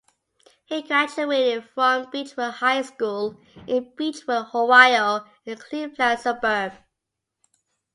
He graduated from Beachwood High School in Beachwood, Ohio, a Cleveland suburb.